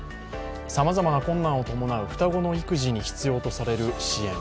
さまざまな困難を伴う双子の育児に必要とされる支援。